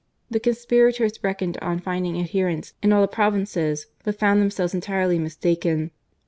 The conspirators reckoned on finding adherents in all the provinces ; but found themselves entirely mistaken.